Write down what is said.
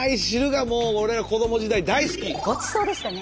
ごちそうでしたね。